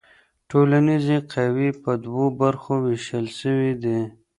ټولنیزې قوې په دوو برخو ویشل سوي دي.